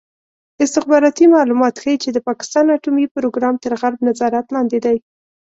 استخباراتي معلومات ښيي چې د پاکستان اټومي پروګرام تر غرب نظارت لاندې دی.